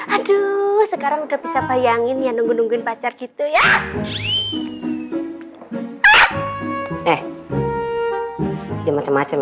aduh sekarang udah bisa bayangin ya nunggu nungguin pacar gitu ya eh ya macam macam